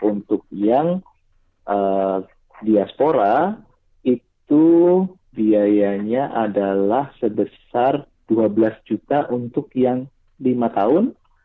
untuk yang diaspora itu biayanya adalah sebesar dua belas juta untuk yang lima tahun